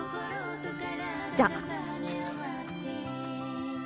じゃあ。